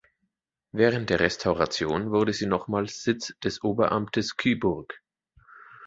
Während der Restauration wurde sie nochmals Sitz des Oberamtes Kyburg.